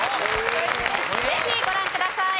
ぜひご覧ください。